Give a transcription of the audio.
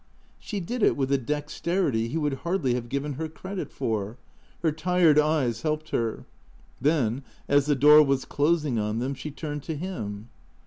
She did it with a dexterity he would hardly have given her credit for. Her tired eyes helped her. Then, as the door was closing on them, she turned to him.